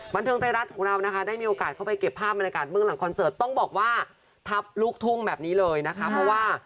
บันเทิงไทยรัฐของเรานะคะได้มีโอกาสเข้าไปเก็บภาพบรรยากาศเบื้องหลังคอนเสิร์ตต้องบอกว่าทับลูกทุ่งแบบนี้เลยนะคะเพราะว่า